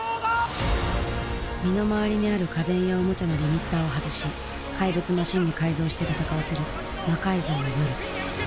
身の回りにある家電やおもちゃのリミッターを外し怪物マシンに改造して戦わせる「魔改造の夜」。